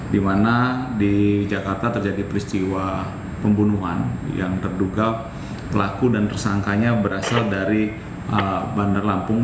di mana di jakarta terjadi peristiwa pembunuhan yang terduga pelaku dan tersangkanya berasal dari bandar lampung